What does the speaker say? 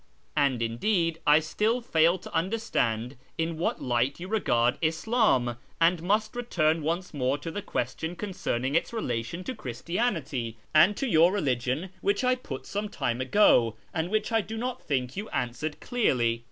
And, indeed, I still fail to understand in what light you regard Islam, and must return once more to the question concerning its relation to Christianity and to your religion which I put some time ago, and which I do not think you answered clearly.